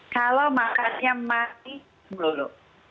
kalau makannya manis dulu